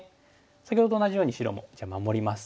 先ほどと同じように白もじゃあ守ります。